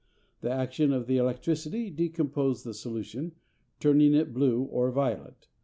The action of the electricity decomposed the solution, turning it blue or violet.